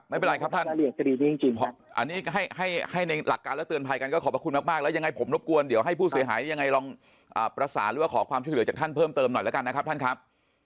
ไม่เป็นไรครับท่านอันนี้ให้ในหลักการแล้วเตือนภัยกันก็ขอบพระคุณมากแล้วยังไงผมรบกวนเดี๋ยวให้ผู้เสียหายยังไงลองประสานหรือว่าขอความช่วยเหลือจากท่านเพิ่มเติมหน่อยแล้วกันนะครับท่านครับ